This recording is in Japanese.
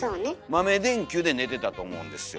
豆電球で寝てたと思うんですよ。